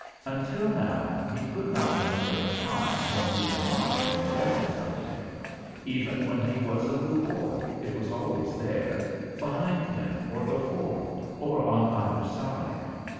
Until now, he could not remember a time when he had not been dreading something. Even when he was a little boy, it was always there behind him, or before, or on either side.